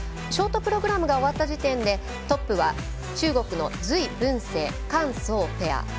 ショートプログラムが終わった時点でトップは中国の隋文静、韓聡ペア。